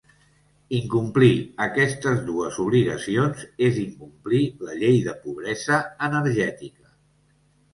Incomplir aquestes dues obligacions és incomplir la llei de pobresa energètica.